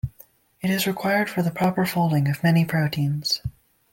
It is required for the proper folding of many proteins.